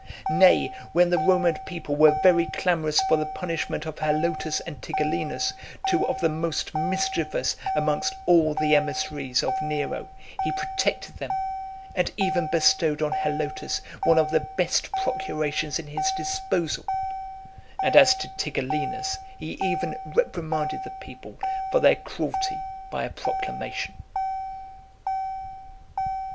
Nay, when the Roman people were very clamorous for the punishment of Halotus and Tigellinus, two of the (411) most mischievous amongst all the emissaries of Nero, he protected them, and even bestowed on Halotus one of the best procurations in his disposal. And as to Tigellinus, he even reprimanded the people for their cruelty by a proclamation.